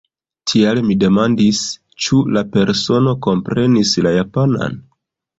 Tial mi demandis, ĉu la persono komprenis la japanan.